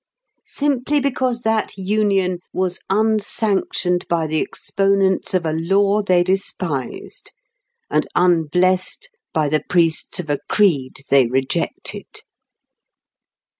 Simply because that union was unsanctioned by the exponents of a law they despised, and unblessed by the priests of a creed they rejected.